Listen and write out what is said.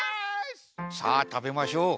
さあたべましょう。